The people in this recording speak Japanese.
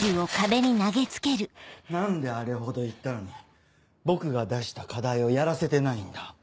何であれほど言ったのに僕が出した課題をやらせてないんだ？